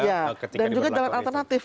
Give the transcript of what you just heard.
iya dan juga jalan alternatif